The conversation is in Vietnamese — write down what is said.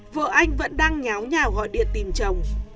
vợ anh vẫn đang nháo nhà gọi điện tìm chồng